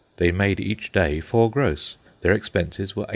They made each day four gross. Their expenses were 8d.